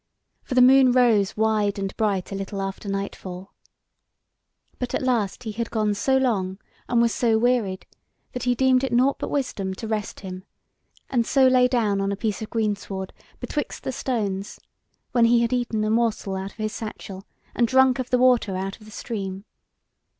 For the moon rose wide and bright a little after nightfall. But at last he had gone so long, and was so wearied, that he deemed it nought but wisdom to rest him, and so lay down on a piece of greensward betwixt the stones, when he had eaten a morsel out of his satchel, and drunk of the water out of the stream.